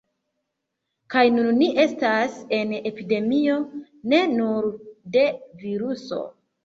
Kaj nun ni estas en epidemio ne nur de viruso